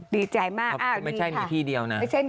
ดีใจมากไม่ใช่มีที่เดียวนะ